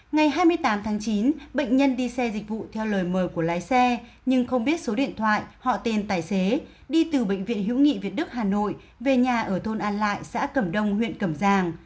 ngày hai mươi tám tháng chín bệnh nhân đi xe dịch vụ theo lời mời của lái xe nhưng không biết số điện thoại họ tên tài xế đi từ bệnh viện hữu nghị việt đức hà nội về nhà ở thôn an lại xã cẩm đông huyện cẩm giang